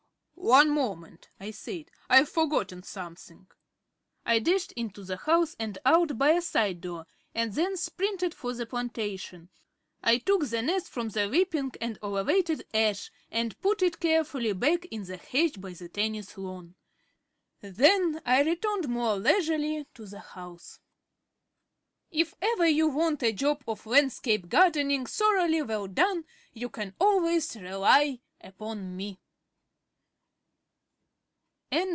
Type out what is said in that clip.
"One moment," I said, "I've forgotten something." I dashed into the house and out by a side door, and then sprinted for the plantation. I took the nest from the weeping and overweighted ash and put it carefully back in the hedge by the tennis lawn. Then I returned more leisurely to the house. If ever you want a job of landscape gardening thoroughly well done, you can always rely upon me.